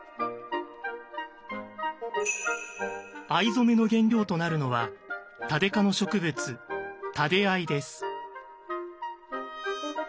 藍染めの原料となるのはタデ科の植物「タデアイ」です。